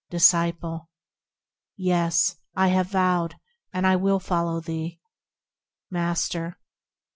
Disciple. Yea, I have vowed, and I will follow thee. Master.